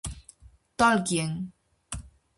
Tolkien.